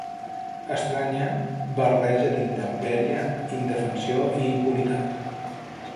Estranya barreja d'intempèrie, indefensió i impunitat.